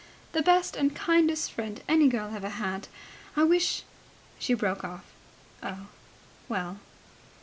"The best and kindest friend any girl ever had. I wish ..." She broke off. "Oh, well.